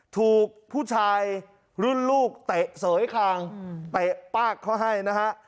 ถูกผู้ชายรุ่นลูกเตะเสยคางเตะปากเขาให้นะฮะ